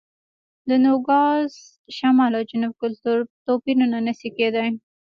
د نوګالس شمال او جنوب کلتور توپیرونه نه شي کېدای.